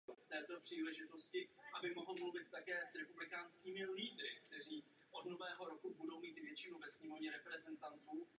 Jeho úsilí po obnovení jednoty vyvolalo velkou odezvu na Druhém vatikánském koncilu.